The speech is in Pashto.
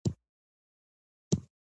د انټرنیټي پیرودلو لپاره بانکي حساب اړین دی.